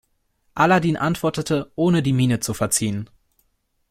Aladin antwortete, ohne die Miene zu verziehen.